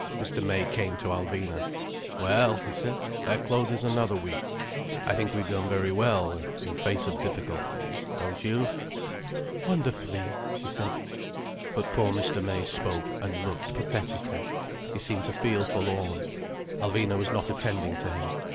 Mr. May came to Alvina. "Well," he said. "That closes another week. I think we've done very well, in face of difficulties, don't you?" "Wonderfully," she said. But poor Mr. May spoke and looked pathetically. He seemed to feel forlorn. Alvina was not attending to him.